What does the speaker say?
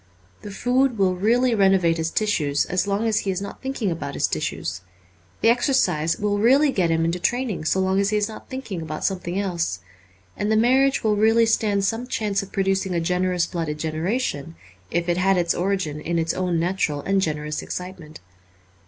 The food will really renovate his tissues as long as he is not thinking about his tissues. The exercise will really get him into train ing so long as he is thinking about something else. And the marriage will really stand some chance of producing a generous blooded generation if it had its origin in its own natural and generous excitement.